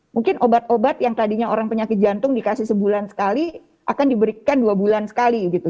mungkin obat obat yang tadinya orang penyakit jantung dikasih sebulan sekali akan diberikan dua bulan sekali gitu